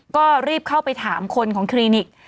ก็รีบเข้าไปถามคนของคลินิก